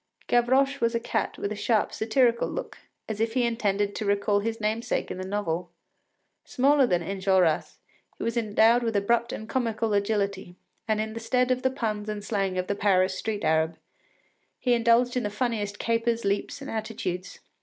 Gavroche was a cat with a sharp, satirical look, as if he intended to recall his namesake in the novel. Smaller than Enjolras, he was endowed with abrupt and comical agility, and in the stead of the puns and slang of the Paris street Arab, he indulged in the funniest capers, leaps, and attitudes.